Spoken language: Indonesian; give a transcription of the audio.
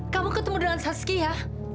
kamu ketemu dengan saskia